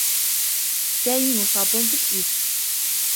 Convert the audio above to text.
سامي مصاب باالإيدز.